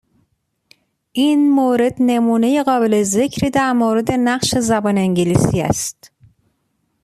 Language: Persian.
این مورد نمونه قابل ذکری در مورد نقش زبان انگلیسی است.